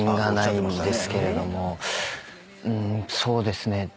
うーんそうですね。